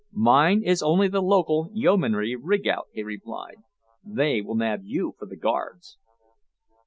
"Mine is only the local Yeomanry rig out," he replied. "They will nab you for the Guards!"